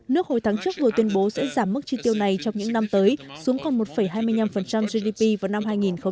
nước hồi tháng trước vừa tuyên bố sẽ giảm mức chi tiêu này trong những năm tới xuống còn một hai mươi năm gdp vào năm hai nghìn hai mươi